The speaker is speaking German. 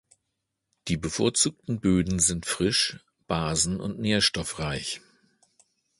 Die bevorzugten Böden sind frisch, basen- und nährstoffreich.